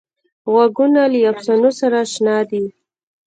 غوږونه له افسانو سره اشنا دي